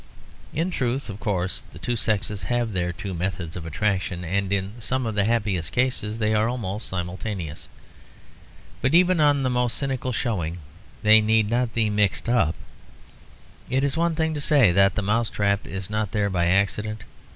In truth, of course, the two sexes have their two methods of attraction, and in some of the happiest cases they are almost simultaneous. But even on the most cynical showing they need not be mixed up. It is one thing to say that the mousetrap is not there by accident.